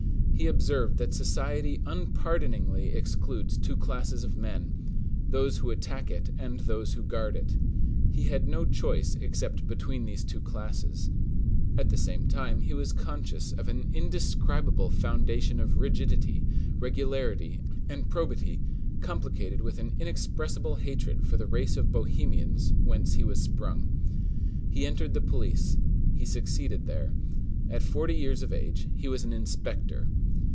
He observed that society unpardoningly excludes two classes of men,—those who attack it and those who guard it; he had no choice except between these two classes; at the same time, he was conscious of an indescribable foundation of rigidity, regularity, and probity, complicated with an inexpressible hatred for the race of bohemians whence he was sprung. He entered the police; he succeeded there. At forty years of age he was an inspector.